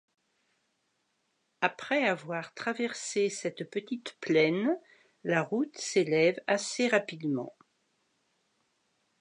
Après avoir traversé cette petite plaine, la route s’élève assez rapidement.